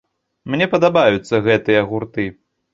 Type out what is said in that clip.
Мне падабаюцца гэтыя гурты.